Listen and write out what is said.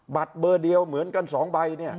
บัตรเบอร์เดียวเหมือนกัน๒ใบเนี่ย